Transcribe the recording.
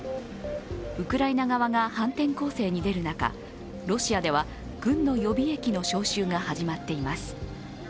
ウクライナ側が反転攻勢に出る中、ロシアでは軍の予備役の招集が始まっています。